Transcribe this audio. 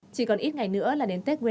chỉ còn ít ngày nữa là đề nghị